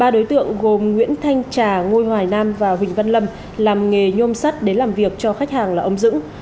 ba đối tượng gồm nguyễn thanh trà ngô hoài nam và huỳnh văn lâm làm nghề nhôm sắt đến làm việc cho khách hàng là ông dững